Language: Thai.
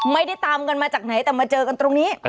ไม่ได้ตามกันมาจากไหนแต่มาเจอกันตรงนี้